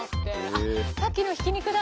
あっさっきのひき肉だ！